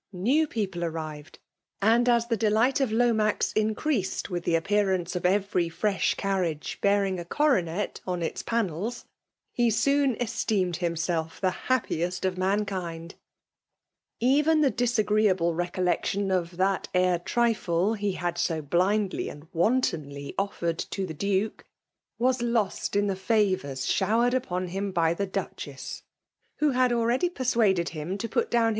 New people arrived ; and, as the delight of Lomax increased with the appearance of every fresh carriage bearing a coronet on its panels, he soon esteemed himself the happiest of man kind. Even the disagreeable recollection of " that *cre trifle " he had so blindly and wan tonly offered to the Duke, was lost in the favours showered upon him by the Duchess, \\ho had already persuaded him to put down n3 274 PJBHALB D01CINA.TI0N.